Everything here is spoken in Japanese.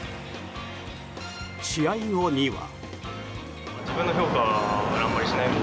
試合後には。